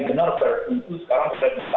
benar sekarang saya bisa